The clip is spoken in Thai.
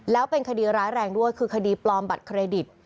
แล้วเป็นคดีร้ายแรงด้วยคือคดีปลอมบัตรเครดิต